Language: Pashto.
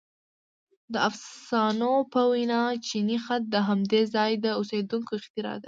• د افسانو په وینا چیني خط د همدې ځای د اوسېدونکو اختراع دی.